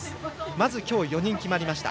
まず今日、４人決まりました。